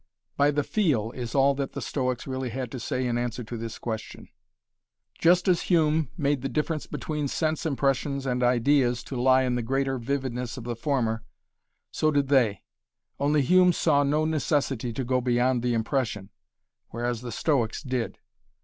"By the feel" is all that the Stoics really had to say in answer to this question. Just as Hume made the difference between sense impressions and ideas to lie in the greater vividness of the former, so did they; only Hume saw no necessity to go beyond the impression, whereas the Stoics did.